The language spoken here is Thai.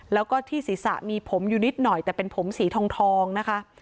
แล้วก็ที่ศีรษะมีผมอยู่นิดหน่อยแต่เป็นผมสีทองนะคะ